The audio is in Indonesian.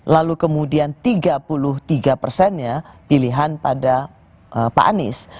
lalu kemudian tiga puluh tiga persennya pilihan pada pak anies